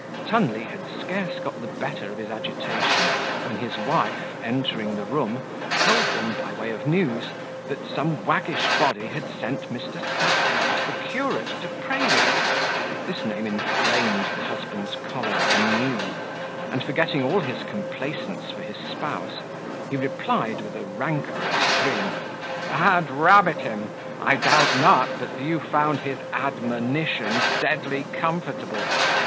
Tunley had scarce got the better of his agitation, when his wife, entering the room, told them, by way of news, that some waggish body had sent Mr. Sackbut the curate to pray with her. This name inflamed the husband's choler anew; and, forgetting all his complaisance for his spouse, he replied with a rancorous grin, "Add rabbit him! I doubt not but you found his admonitions deadly comfortable!"